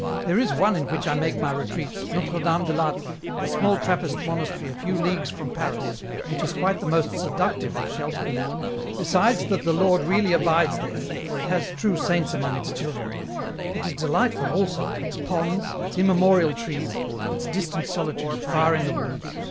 " There is one in which I make my retreats, Notre Dame de I'Atre, a small Trappist monastery a few leagues from Paris, which is quite the most seductive of shelters. Besides that the Lord really abides there, for it has true saints among its children, it is delightful also with its ponds, its immemorial trees, its distant solitude, far in the woods."